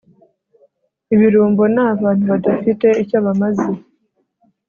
ibirumbo ni abantu badafite icyo bamaze